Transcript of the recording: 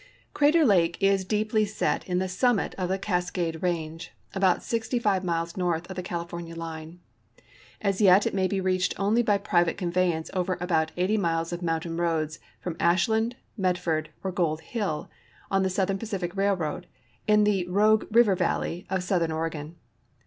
Crater lake is deeply set in the summit of the Cascade range, about 65 miles north of the California line. As yet it may be ^ reached only by private conveyance over about 80 miles of mountain roads from Ashland, Medford, or Gold Hill, on the Southern Pacific railroad, in the Rogue River valle.y of southern Oregon.